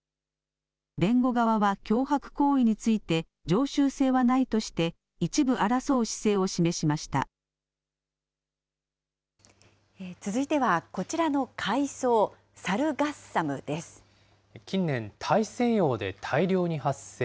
弁護側は脅迫行為について、常習性はないとして、続いては、こちらの海藻、サ近年、大西洋で大量に発生。